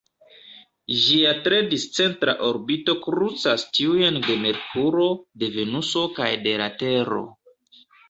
Ĝia tre discentra orbito krucas tiujn de Merkuro, de Venuso kaj de la Tero.